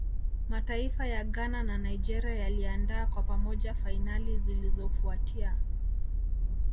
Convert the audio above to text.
mataifa ya Ghana na Nigeria yaliandaa kwa pamoja fainali zilizofuatia